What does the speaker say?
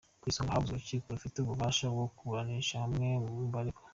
Ku isonga havuzwe urukiko rufite ububasha bwo kuburanisha bamwe mu baregwa.